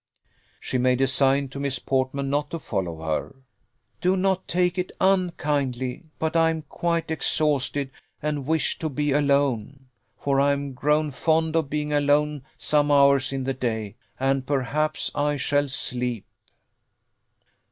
She made a sign to Miss Portman not to follow her. "Do not take it unkindly, but I am quite exhausted, and wish to be alone; for I am grown fond of being alone some hours in the day, and perhaps I shall sleep."